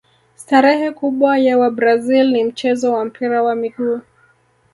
starehe kubwa ya wabrazil ni mchezo wa mpira wa miguu